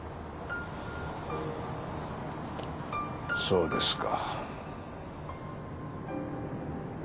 そうですか。